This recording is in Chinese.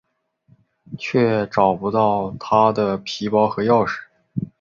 却找不到她的皮包和钥匙。